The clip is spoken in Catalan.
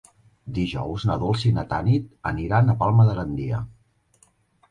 Dijous na Dolça i na Tanit aniran a Palma de Gandia.